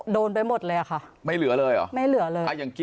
โดนไปหมดเลยอ่ะค่ะไม่เหลือเลยอ่ะไม่เหลือเลยอ่ะอย่าง